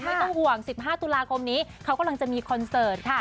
ไม่ต้องห่วง๑๕ตุลาคมนี้เขากำลังจะมีคอนเสิร์ตค่ะ